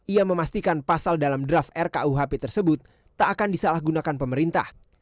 ia memastikan pasal dalam draft rkuhp tersebut tak akan disalahgunakan pemerintah